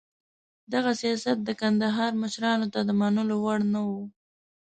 دغه سیاست د کندهار مشرانو ته د منلو وړ نه و.